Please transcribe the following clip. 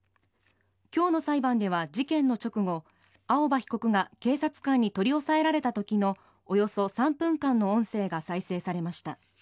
今日の裁判では事件の直後青葉被告が警察官に取り押さえられたときのおよそ３分間の音声が再生されました。